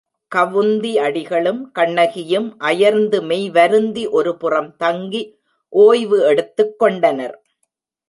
கவுந்தி அடிகளும் கண்ணகியும் அயர்ந்து மெய்வருந்தி ஒரு புறம் தங்கி ஓய்வு எடுத்துக் கொண்டனர்.